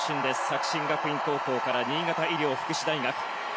作新学院高校から新潟医療福祉大学。